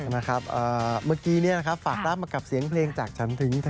เมื่อกี้ฝากรับมากับเสียงเพลงจากฉันถึง